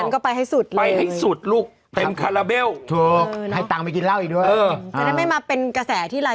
ก็มีแค่กเนี่ย